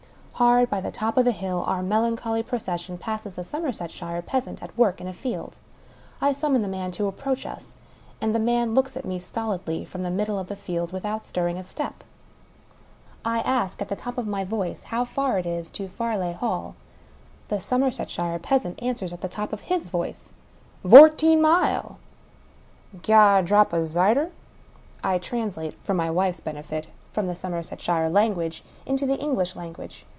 Hard by the top of the hill, our melancholy procession passes a Somersetshire peasant at work in a field. I summon the man to approach us ; and the man looks at me stolidly, from the middle of the field, without stirring a step. I ask at. the top of my^ 215 ,# English Mystery Stories voice how far it is to Farleigh Hall. The Somersetshire peasant answers at the top of his voice :" Vourteen mile. Gi' oi a drap o' zyder." I translate (for my wife's benefit) from the Somerset shire language into the English language.